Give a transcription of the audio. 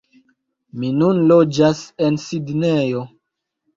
Mi nun loĝas en Sidnejo